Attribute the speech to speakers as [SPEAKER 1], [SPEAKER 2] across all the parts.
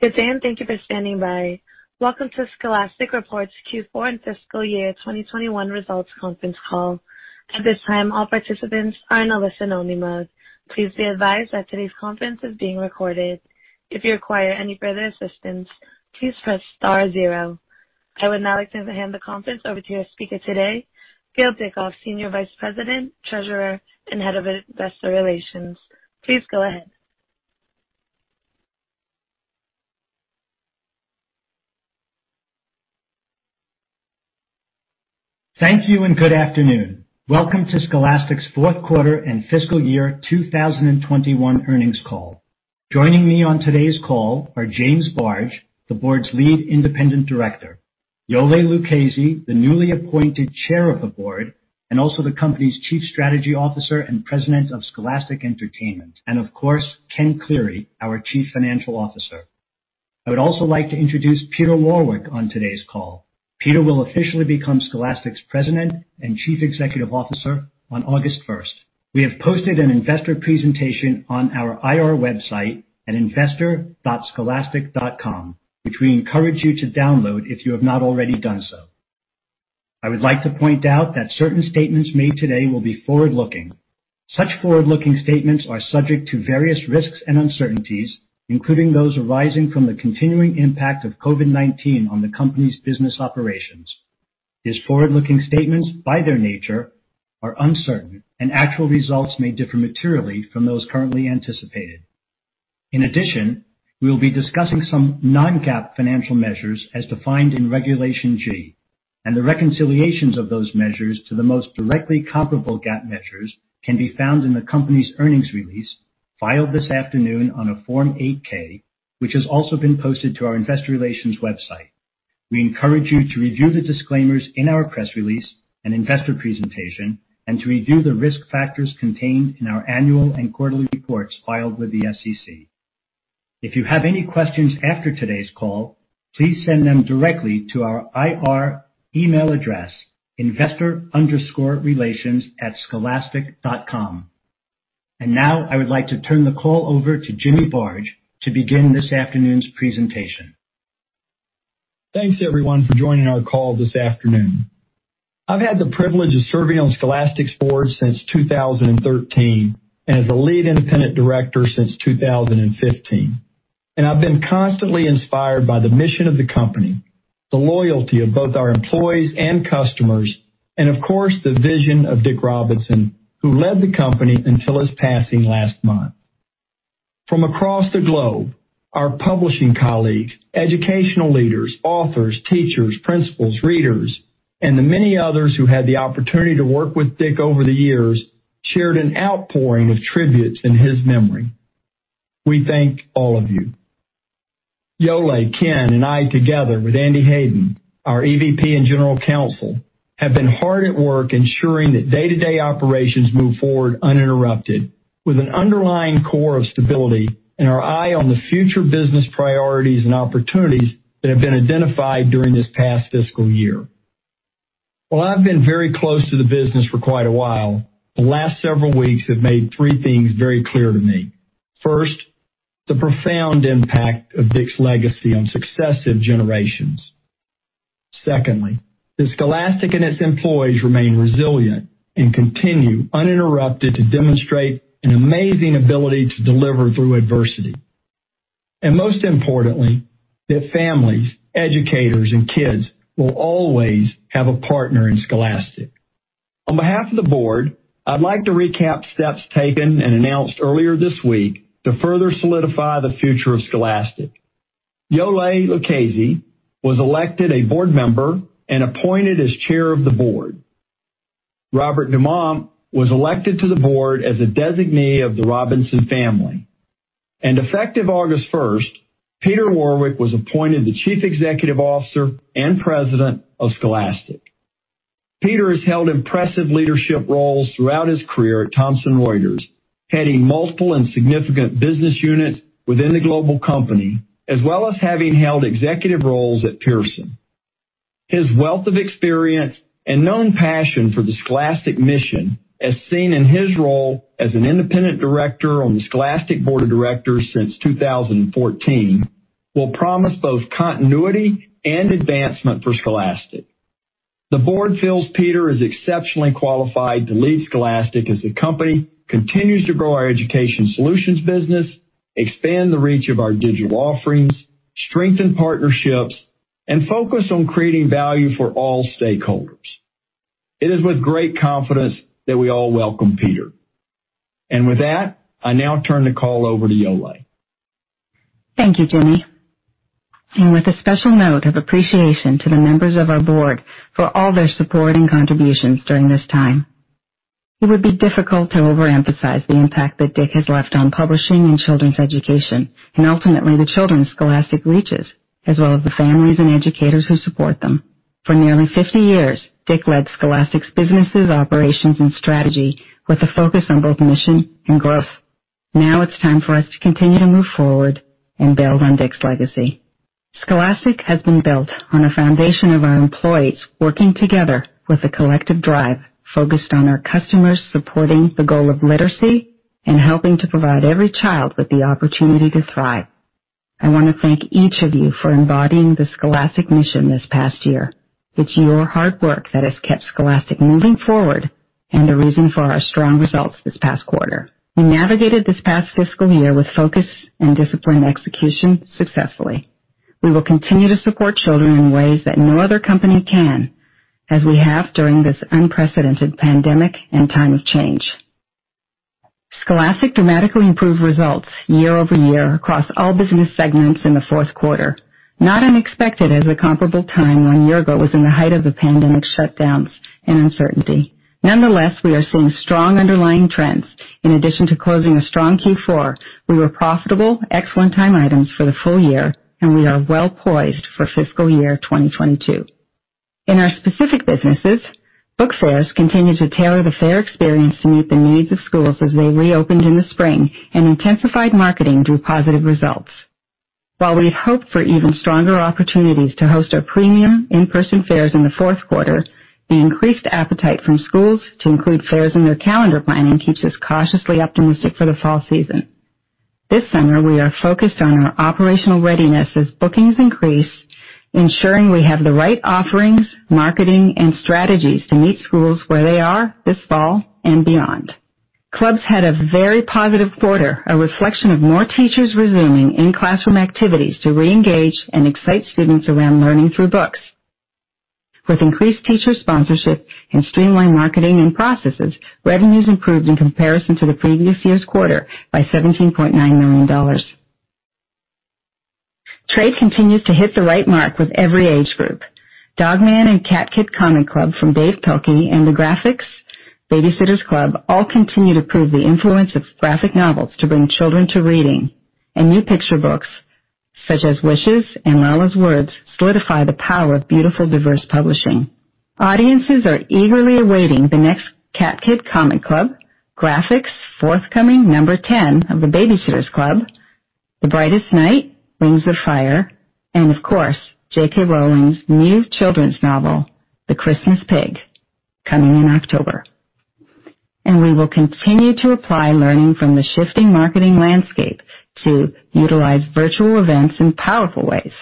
[SPEAKER 1] Good day, and thank you for standing by. Welcome to Scholastic Reports Q4 and Fiscal Year 2021 Results Conference Call. At this time, all participants are in a listen-only mode. Please be advised that today's conference is being recorded. If you require any further assistance, please press star zero. I would now like to hand the conference over to your speaker today, Gil Dickoff, Senior Vice President, Treasurer, and Head of Investor Relations. Please go ahead.
[SPEAKER 2] Thank you, and good afternoon. Welcome to Scholastic's 4th quarter and fiscal year 2021 earnings call. Joining me on today's call are James Barge, the Board's Lead Independent Director, Iole Lucchese, the newly appointed Chair of the Board, and also the company's Chief Strategy Officer and President of Scholastic Entertainment, and of course, Ken Cleary, our Chief Financial Officer. I would also like to introduce Peter Warwick on today's call. Peter will officially become Scholastic's President and Chief Executive Officer on August 1st. We have posted an investor presentation on our IR website at investor.scholastic.com, which we encourage you to download if you have not already done so. I would like to point out that certain statements made today will be forward-looking. Such forward-looking statements are subject to various risks and uncertainties, including those arising from the continuing impact of COVID-19 on the company's business operations. These forward-looking statements, by their nature, are uncertain and actual results may differ materially from those currently anticipated. In addition, we will be discussing some non-GAAP financial measures as defined in Regulation G, and the reconciliations of those measures to the most directly comparable GAAP measures can be found in the company's earnings release filed this afternoon on a Form 8-K, which has also been posted to our investor relations website. We encourage you to review the disclaimers in our press release and investor presentation, and to review the risk factors contained in our annual and quarterly reports filed with the SEC. If you have any questions after today's call, please send them directly to our IR email address, investor_relations@scholastic.com. Now I would like to turn the call over to Jimmy Barge to begin this afternoon's presentation.
[SPEAKER 3] Thanks, everyone, for joining our call this afternoon. I've had the privilege of serving on Scholastic's board since 2013 and as the Lead Independent Director since 2015. I've been constantly inspired by the mission of the company, the loyalty of both our employees and customers, and of course, the vision of Dick Robinson, who led the company until his passing last month. From across the globe, our publishing colleagues, educational leaders, authors, teachers, principals, readers, and the many others who had the opportunity to work with Dick over the years shared an outpouring of tributes in his memory. We thank all of you. Iole, Ken, and I, together with Andrew Hedden, our EVP and General Counsel, have been hard at work ensuring that day-to-day operations move forward uninterrupted with an underlying core of stability and our eye on the future business priorities and opportunities that have been identified during this past fiscal year. While I've been very close to the business for quite a while, the last several weeks have made three things very clear to me. First, the profound impact of Dick's legacy on successive generations. Secondly, that Scholastic and its employees remain resilient and continue uninterrupted to demonstrate an amazing ability to deliver through adversity. Most importantly, that families, educators, and kids will always have a partner in Scholastic. On behalf of the Board, I'd like to recap steps taken and announced earlier this week to further solidify the future of Scholastic. Iole Lucchese was elected a board member and appointed as Chair of the Board. Robert Dumont was elected to the board as a designee of the Robinson family. Effective August first, Peter Warwick was appointed the Chief Executive Officer and President of Scholastic. Peter has held impressive leadership roles throughout his career at Thomson Reuters, heading multiple and significant business units within the global company, as well as having held executive roles at Pearson. His wealth of experience and known passion for the Scholastic mission, as seen in his role as an independent director on the Scholastic Board of Directors since 2014, will promise both continuity and advancement for Scholastic. The board feels Peter is exceptionally qualified to lead Scholastic as the company continues to grow our education solutions business, expand the reach of our digital offerings, strengthen partnerships, and focus on creating value for all stakeholders. It is with great confidence that we all welcome Peter. With that, I now turn the call over to Iole.
[SPEAKER 4] Thank you, Jimmy. With a special note of appreciation to the members of our board for all their support and contributions during this time. It would be difficult to overemphasize the impact that Dick has left on publishing and children's education, and ultimately the children Scholastic reaches, as well as the families and educators who support them. For nearly 50 years, Dick led Scholastic's businesses, operations, and strategy with a focus on both mission and growth. Now it's time for us to continue to move forward and build on Dick's legacy. Scholastic has been built on a foundation of our employees working together with a collective drive focused on our customers, supporting the goal of literacy and helping to provide every child with the opportunity to thrive. I want to thank each of you for embodying the Scholastic mission this past year. It's your hard work that has kept Scholastic moving forward and the reason for our strong results this past quarter. We navigated this past fiscal year with focus and disciplined execution successfully. We will continue to support children in ways that no other company can, as we have during this unprecedented pandemic and time of change. Scholastic dramatically improved results year-over-year across all business segments in the fourth quarter, not unexpected as the comparable time one year ago was in the height of the pandemic shutdowns and uncertainty. Nonetheless, we are seeing strong underlying trends. In addition to closing a strong Q4, we were profitable ex one-time items for the full year. We are well-poised for fiscal year 2022. In our specific businesses, Book Fairs continued to tailor the fair experience to meet the needs of schools as they reopened in the spring and intensified marketing through positive results. While we had hoped for even stronger opportunities to host our premium in-person fairs in the fourth quarter, the increased appetite from schools to include fairs in their calendar planning keeps us cautiously optimistic for the fall season. This summer, we are focused on our operational readiness as bookings increase, ensuring we have the right offerings, marketing, and strategies to meet schools where they are this fall and beyond. Book Clubs had a very positive quarter, a reflection of more teachers resuming in-classroom activities to reengage and excite students around learning through books. With increased teacher sponsorship and streamlined marketing and processes, revenues improved in comparison to the previous year's quarter by $17.9 million. Trade continues to hit the right mark with every age group. Dog Man and Cat Kid Comic Club from Dav Pilkey and the Graphix The Baby-Sitters Club all continue to prove the influence of graphic novels to bring children to reading. New picture books such as Wishes and Lala's Words solidify the power of beautiful, diverse publishing. Audiences are eagerly awaiting the next Cat Kid Comic Club, Graphix forthcoming number 10 of The Baby-Sitters Club, The Brightest Night: Wings of Fire, and of course, J.K. Rowling's new children's novel, The Christmas Pig, coming in October. We will continue to apply learning from the shifting marketing landscape to utilize virtual events in powerful ways.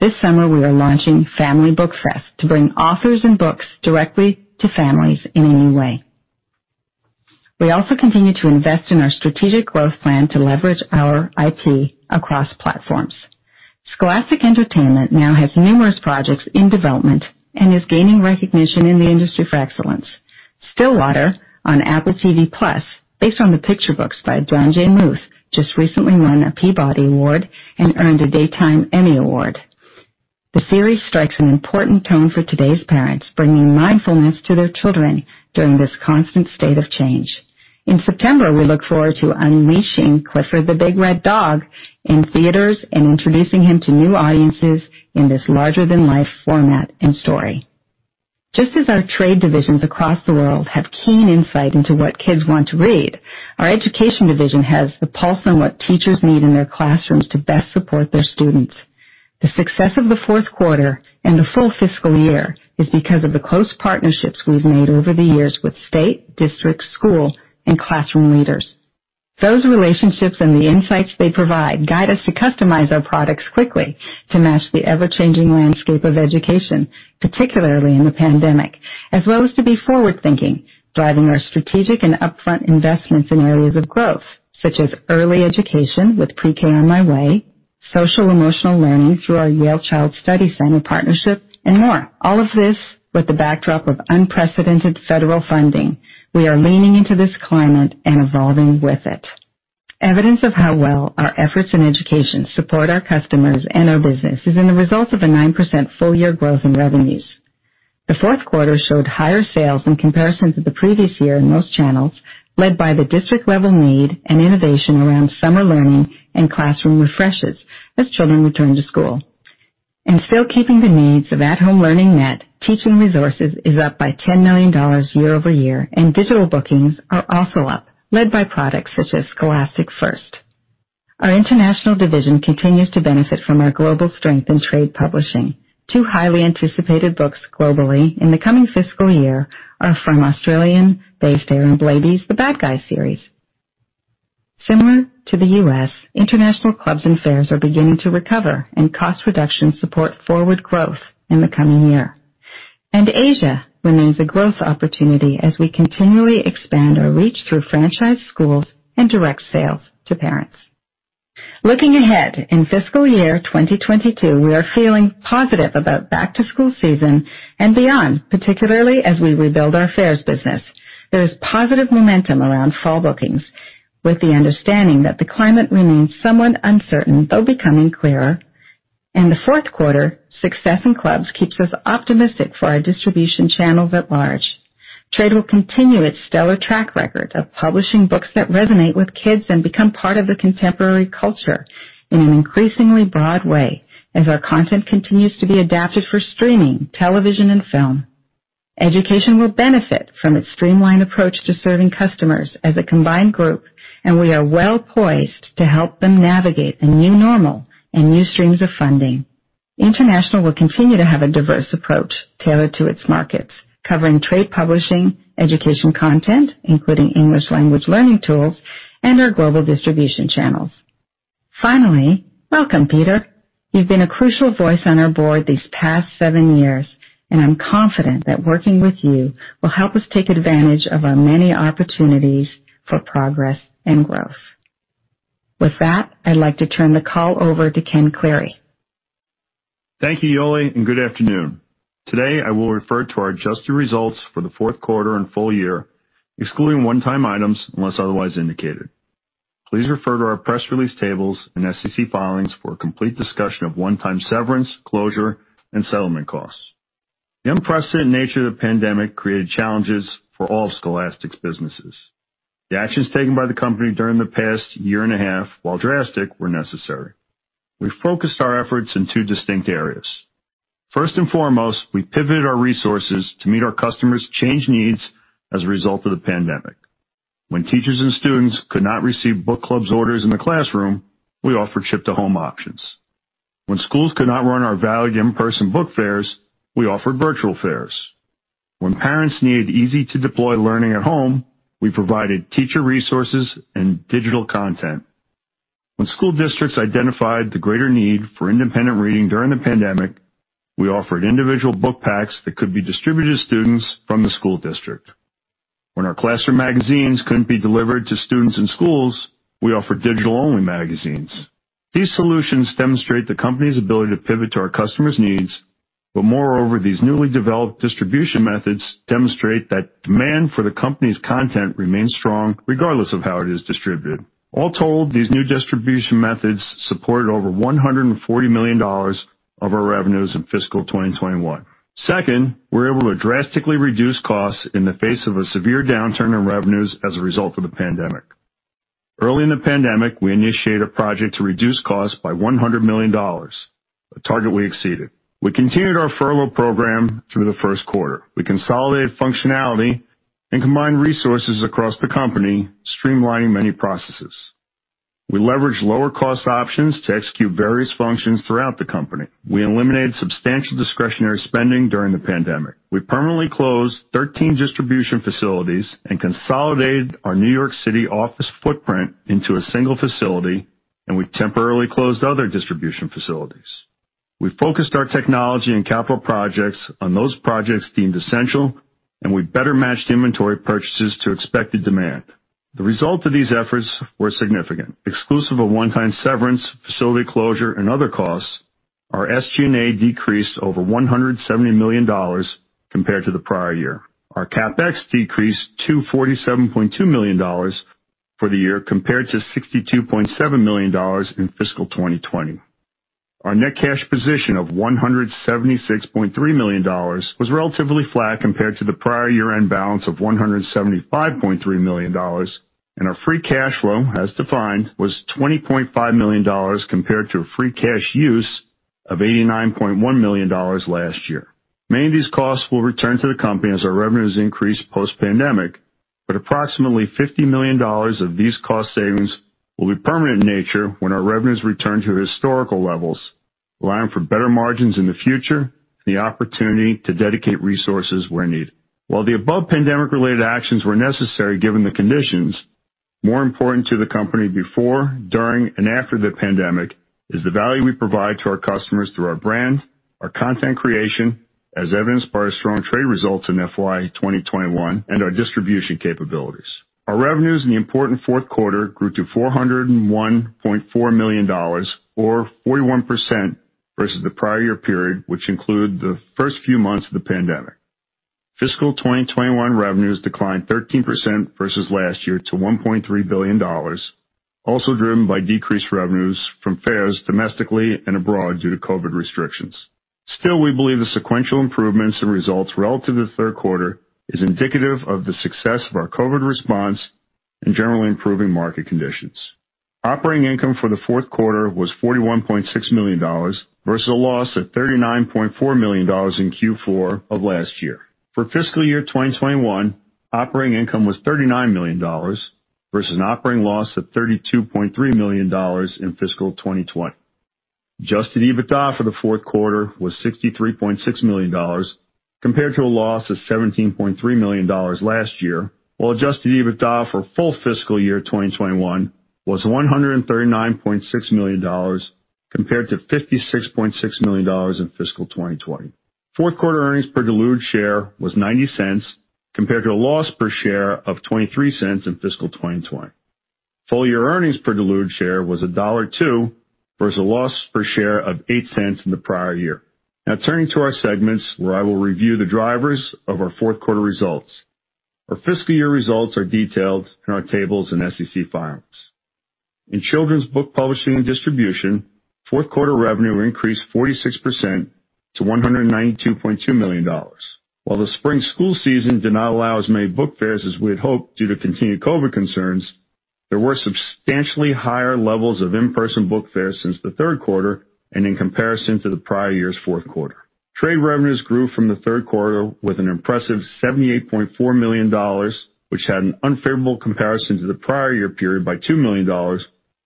[SPEAKER 4] This summer, we are launching Family Book Fest to bring authors and books directly to families in a new way. We also continue to invest in our strategic growth plan to leverage our IP across platforms. Scholastic Entertainment now has numerous projects in development and is gaining recognition in the industry for excellence. Stillwater on Apple TV+, based on the picture books by Jon J. Muth, just recently won a Peabody Award and earned a Daytime Emmy Award. The series strikes an important tone for today's parents, bringing mindfulness to their children during this constant state of change. In September, we look forward to unleashing Clifford the Big Red Dog in theaters and introducing him to new audiences in this larger-than-life format and story. Just as our trade divisions across the world have keen insight into what kids want to read, our education division has the pulse on what teachers need in their classrooms to best support their students. The success of the fourth quarter and the full fiscal year is because of the close partnerships we've made over the years with state, district, school, and classroom leaders. Those relationships and the insights they provide guide us to customize our products quickly to match the ever-changing landscape of education, particularly in the pandemic, as well as to be forward-thinking, driving our strategic and upfront investments in areas of growth, such as early education with Pre-K On My Way, social emotional learning through our Yale Child Study Center partnership, and more. All of this with the backdrop of unprecedented federal funding. We are leaning into this climate and evolving with it. Evidence of how well our efforts in education support our customers and our business is in the results of a 9% full-year growth in revenues. The fourth quarter showed higher sales in comparison to the previous year in most channels, led by the district-level need and innovation around summer learning and classroom refreshes as children return to school. Still keeping the needs of at-home learning met, teaching resources is up by $10 million year-over-year, and digital bookings are also up, led by products such as Scholastic F.I.R.S.T. Our international division continues to benefit from our global strength in trade publishing. Two highly anticipated books globally in the coming fiscal year are from Australian-based Aaron Blabey's The Bad Guys series. Similar to the U.S., international clubs and fairs are beginning to recover, and cost reductions support forward growth in the coming year. Asia remains a growth opportunity as we continually expand our reach through franchise schools and direct sales to parents. Looking ahead, in fiscal year 2022, we are feeling positive about back-to-school season and beyond, particularly as we rebuild our Book Fairs business. There is positive momentum around fall bookings with the understanding that the climate remains somewhat uncertain, though becoming clearer. In the fourth quarter, success in Book Clubs keeps us optimistic for our distribution channels at large. Trade will continue its stellar track record of publishing books that resonate with kids and become part of the contemporary culture in an increasingly broad way as our content continues to be adapted for streaming, television, and film. Education will benefit from its streamlined approach to serving customers as a combined group, and we are well poised to help them navigate the new normal and new streams of funding. International will continue to have a diverse approach tailored to its markets, covering trade publishing, education content, including English language learning tools, and our global distribution channels. Welcome, Peter Warwick. You've been a crucial voice on our Board these past seven years, and I'm confident that working with you will help us take advantage of our many opportunities for progress and growth. With that, I'd like to turn the call over to Ken Cleary.
[SPEAKER 5] Thank you, Iole. Good afternoon. Today, I will refer to our adjusted results for the fourth quarter and full year, excluding one-time items, unless otherwise indicated. Please refer to our press release tables and SEC filings for a complete discussion of one-time severance, closure, and settlement costs. The unprecedented nature of the pandemic created challenges for all of Scholastic's businesses. The actions taken by the company during the past year and a half, while drastic, were necessary. We focused our efforts in two distinct areas. First and foremost, we pivoted our resources to meet our customers' changed needs as a result of the pandemic. When teachers and students could not receive Book Clubs orders in the classroom, we offered ship-to-home options. When schools could not run our valued in-person Book Fairs, we offered virtual fairs. When parents needed easy-to-deploy learning at home, we provided teacher resources and digital content. When school districts identified the greater need for independent reading during the pandemic, we offered individual book packs that could be distributed to students from the school district. When our classroom magazines couldn't be delivered to students in schools, we offered digital-only magazines. These solutions demonstrate the company's ability to pivot to our customers' needs. Moreover, these newly developed distribution methods demonstrate that demand for the company's content remains strong regardless of how it is distributed. All told, these new distribution methods supported over $140 million of our revenues in fiscal 2021. Second, we were able to drastically reduce costs in the face of a severe downturn in revenues as a result of the pandemic. Early in the pandemic, we initiated a project to reduce costs by $100 million. A target we exceeded. We continued our furlough program through the first quarter. We consolidated functionality and combined resources across the company, streamlining many processes. We leveraged lower-cost options to execute various functions throughout the company. We eliminated substantial discretionary spending during the pandemic. We permanently closed 13 distribution facilities and consolidated our New York City office footprint into a single facility, and we temporarily closed other distribution facilities. We focused our technology and capital projects on those projects deemed essential, and we better matched inventory purchases to expected demand. The result of these efforts were significant. Exclusive of one-time severance, facility closure, and other costs, our SG&A decreased over $170 million compared to the prior year. Our CapEx decreased to $47.2 million for the year, compared to $62.7 million in fiscal 2020. Our net cash position of $176.3 million was relatively flat compared to the prior year-end balance of $175.3 million, and our free cash flow, as defined, was $20.5 million, compared to a free cash use of $89.1 million last year. Many of these costs will return to the company as our revenues increase post pandemic, approximately $50 million of these cost savings will be permanent in nature when our revenues return to historical levels, allowing for better margins in the future and the opportunity to dedicate resources where needed. While the above pandemic-related actions were necessary given the conditions, more important to the company before, during, and after the pandemic is the value we provide to our customers through our brand, our content creation, as evidenced by our strong trade results in FY 2021, and our distribution capabilities. Our revenues in the important fourth quarter grew to $401.4 million, or 41% versus the prior year period, which include the first few months of the pandemic. Fiscal 2021 revenues declined 13% versus last year to $1.3 billion, also driven by decreased revenues from Fairs domestically and abroad due to COVID restrictions. Still, we believe the sequential improvements in results relative to the third quarter is indicative of the success of our COVID response and generally improving market conditions. Operating income for the fourth quarter was $41.6 million versus a loss of $39.4 million in Q4 of last year. For fiscal year 2021, operating income was $39 million versus an operating loss of $32.3 million in fiscal 2020. Adjusted EBITDA for the fourth quarter was $63.6 million, compared to a loss of $17.3 million last year, while Adjusted EBITDA for full fiscal year 2021 was $139.6 million, compared to $56.6 million in fiscal 2020. Fourth quarter earnings per diluted share was $0.90, compared to a loss per share of $0.23 in fiscal 2020. Full-year earnings per diluted share was $1.02 versus a loss per share of $0.08 in the prior year. Now turning to our segments where I will review the drivers of our fourth quarter results. Our fiscal year results are detailed in our tables and SEC filings. In Children's Book Publishing and Distribution, fourth quarter revenue increased 46% to $192.2 million. While the spring school season did not allow as many Book Fairs as we had hoped due to continued COVID-19 concerns. There were substantially higher levels of in-person Book Fairs since the third quarter and in comparison to the prior year's fourth quarter. Trade revenues grew from the third quarter with an impressive $78.4 million, which had an unfavorable comparison to the prior year period by $2 million,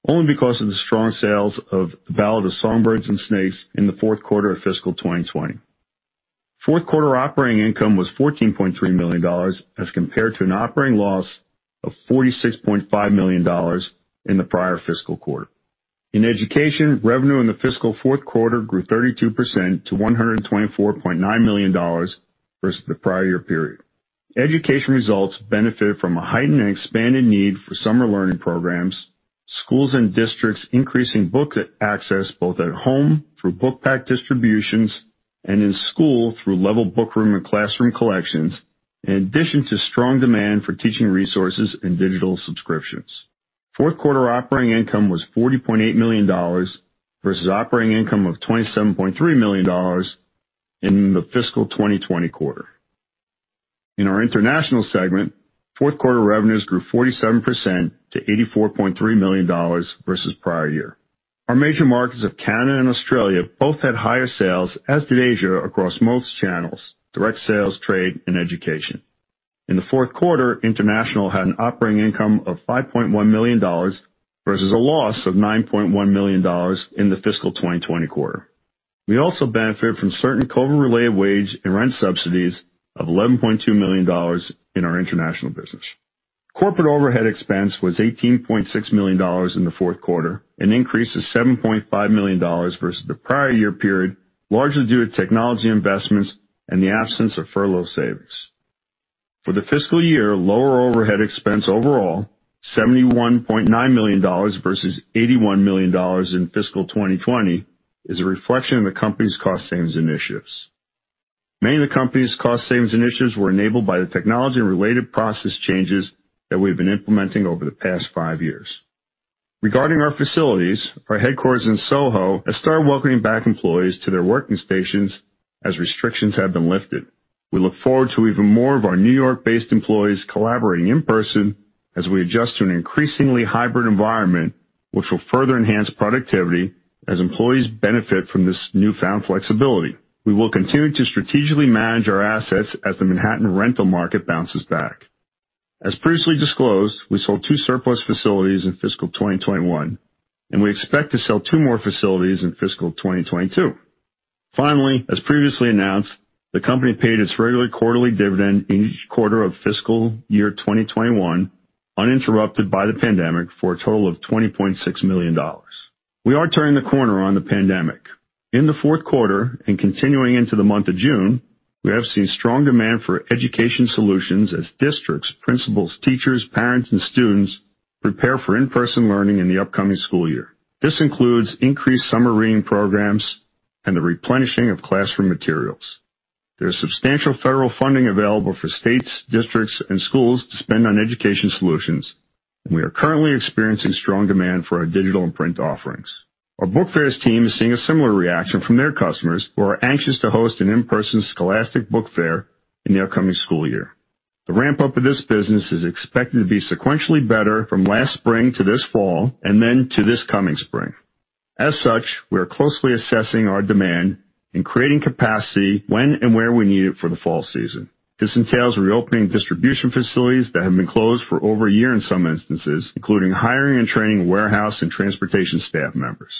[SPEAKER 5] only because of the strong sales of "The Ballad of Songbirds and Snakes" in the fourth quarter of fiscal 2020. Fourth quarter operating income was $14.3 million as compared to an operating loss of $46.5 million in the prior fiscal quarter. In education, revenue in the fiscal fourth quarter grew 32% to $124.9 million versus the prior year period. Education results benefited from a heightened and expanded need for summer learning programs, schools and districts increasing book access both at home through book pack distributions, and in school through level bookroom and classroom collections, in addition to strong demand for teaching resources and digital subscriptions. Fourth quarter operating income was $40.8 million versus operating income of $27.3 million in the fiscal 2020 quarter. In our International segment, fourth quarter revenues grew 47% to $84.3 million versus prior year. Our major markets of Canada and Australia both had higher sales, as did Asia, across most channels, direct sales, trade, and education. In the fourth quarter, International had an operating income of $5.1 million versus a loss of $9.1 million in the fiscal 2020 quarter. We also benefit from certain COVID-related wage and rent subsidies of $11.2 million in our International business. Corporate overhead expense was $18.6 million in the fourth quarter, an increase of $7.5 million versus the prior year period, largely due to technology investments and the absence of furlough savings. For the fiscal year, lower overhead expense overall, $71.9 million versus $81 million in fiscal 2020, is a reflection of the company's cost savings initiatives. Many of the company's cost savings initiatives were enabled by the technology and related process changes that we've been implementing over the past five years. Regarding our facilities, our headquarters in Soho has started welcoming back employees to their working stations as restrictions have been lifted. We look forward to even more of our New York-based employees collaborating in person as we adjust to an increasingly hybrid environment, which will further enhance productivity as employees benefit from this newfound flexibility. We will continue to strategically manage our assets as the Manhattan rental market bounces back. As previously disclosed, we sold two surplus facilities in fiscal 2021, and we expect to sell two more facilities in fiscal 2022. Finally, as previously announced, the company paid its regular quarterly dividend in each quarter of fiscal year 2021, uninterrupted by the pandemic, for a total of $20.6 million. We are turning the corner on the pandemic. In the fourth quarter and continuing into the month of June, we have seen strong demand for education solutions as districts, principals, teachers, parents, and students prepare for in-person learning in the upcoming school year. This includes increased summer reading programs and the replenishing of classroom materials. There's substantial federal funding available for states, districts, and schools to spend on education solutions, and we are currently experiencing strong demand for our digital and print offerings. Our Book Fairs team is seeing a similar reaction from their customers, who are anxious to host an in-person Scholastic Book Fair in the upcoming school year. The ramp-up of this business is expected to be sequentially better from last spring to this fall, and then to this coming spring. As such, we are closely assessing our demand and creating capacity when and where we need it for the fall season. This entails reopening distribution facilities that have been closed for over a year in some instances, including hiring and training warehouse and transportation staff members.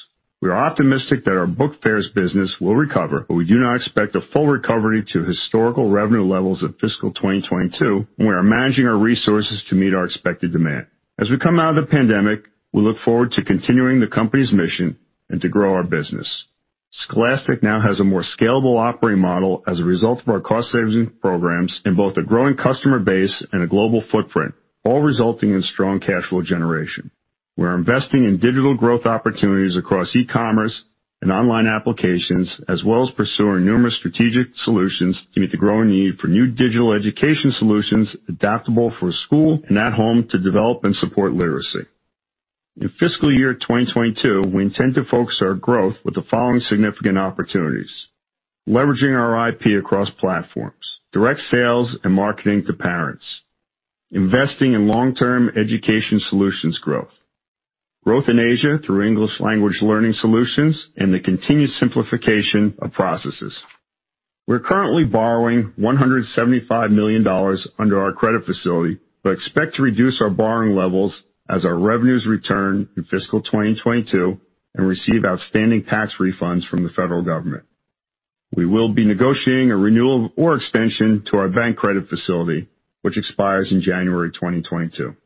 [SPEAKER 5] We are optimistic that our Book Fairs business will recover, but we do not expect a full recovery to historical revenue levels of fiscal 2022, and we are managing our resources to meet our expected demand. As we come out of the pandemic, we look forward to continuing the company's mission and to grow our business. Scholastic now has a more scalable operating model as a result of our cost savings programs and both a growing customer base and a global footprint, all resulting in strong cash flow generation. We're investing in digital growth opportunities across e-commerce and online applications, as well as pursuing numerous strategic solutions to meet the growing need for new digital education solutions adaptable for school and at home to develop and support literacy. In fiscal year 2022, we intend to focus our growth with the following significant opportunities. Leveraging our IP across platforms, direct sales and marketing to parents, investing in long-term education solutions growth in Asia through English language learning solutions, and the continued simplification of processes. We're currently borrowing $175 million under our credit facility, but expect to reduce our borrowing levels as our revenues return in fiscal 2022 and receive outstanding tax refunds from the federal government. We will be negotiating a renewal or extension to our bank credit facility, which expires in January 2022.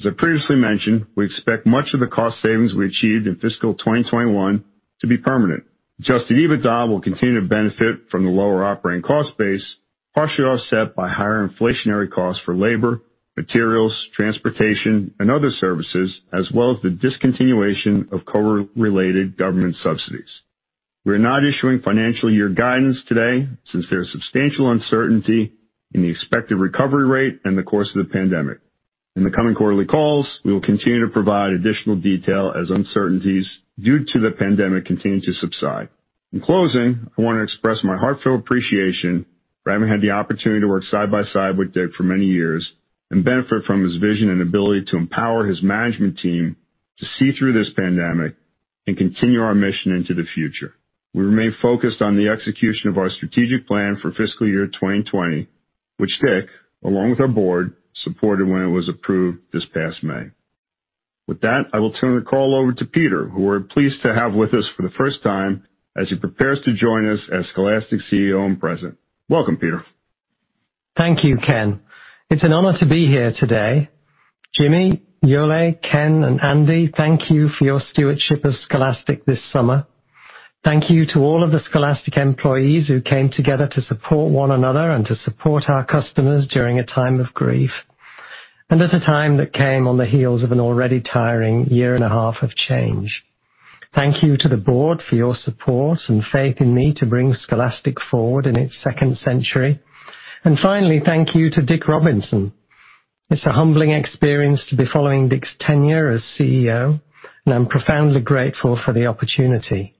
[SPEAKER 5] As I previously mentioned, we expect much of the cost savings we achieved in fiscal 2021 to be permanent. Adjusted EBITDA will continue to benefit from the lower operating cost base, partially offset by higher inflationary costs for labor, materials, transportation, and other services, as well as the discontinuation of COVID-related government subsidies. We are not issuing financial year guidance today since there is substantial uncertainty in the expected recovery rate and the course of the pandemic. In the coming quarterly calls, we will continue to provide additional detail as uncertainties due to the pandemic continue to subside. In closing, I want to express my heartfelt appreciation for having had the opportunity to work side by side with Dick for many years and benefit from his vision and ability to empower his management team to see through this pandemic and continue our mission into the future. We remain focused on the execution of our strategic plan for fiscal year 2020, which Dick, along with our board, supported when it was approved this past May. With that, I will turn the call over to Peter, who we're pleased to have with us for the first time as he prepares to join us as Scholastic CEO and President. Welcome, Peter.
[SPEAKER 6] Thank you, Ken. It's an honor to be here today. Jimmy, Iole, Ken, and Andy, thank you for your stewardship of Scholastic this summer. Thank you to all of the Scholastic employees who came together to support one another and to support our customers during a time of grief, and at a time that came on the heels of an already tiring year and a half of change. Thank you to the board for your support and faith in me to bring Scholastic forward in its second century. Finally, thank you to Dick Robinson. It's a humbling experience to be following Dick's tenure as CEO, and I'm profoundly grateful for the opportunity.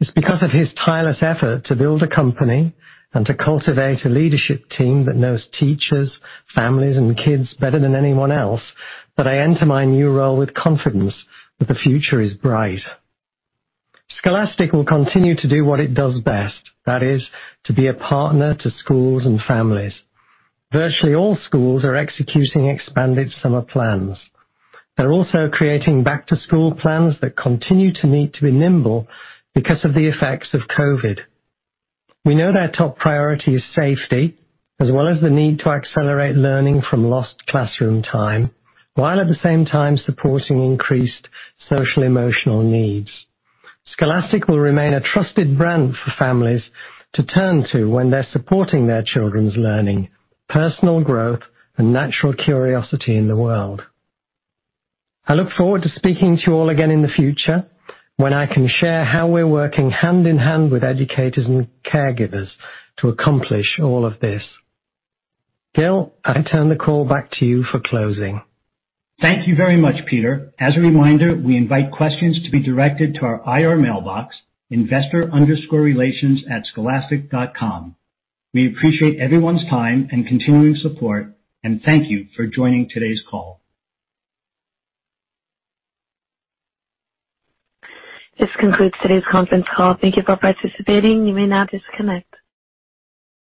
[SPEAKER 6] It's because of his tireless effort to build a company and to cultivate a leadership team that knows teachers, families, and kids better than anyone else that I enter my new role with confidence that the future is bright. Scholastic will continue to do what it does best. That is, to be a partner to schools and families. Virtually all schools are executing expanded summer plans. They are also creating back-to-school plans that continue to need to be nimble because of the effects of COVID. We know their top priority is safety, as well as the need to accelerate learning from lost classroom time, while at the same time supporting increased social emotional needs. Scholastic will remain a trusted brand for families to turn to when they are supporting their children's learning, personal growth, and natural curiosity in the world. I look forward to speaking to you all again in the future when I can share how we're working hand in hand with educators and caregivers to accomplish all of this. Gil, I turn the call back to you for closing.
[SPEAKER 2] Thank you very much, Peter. As a reminder, we invite questions to be directed to our IR mailbox, investor_relations@scholastic.com. We appreciate everyone's time and continuing support and thank you for joining today's call.
[SPEAKER 1] This concludes today's conference call. Thank you for participating. You may now disconnect.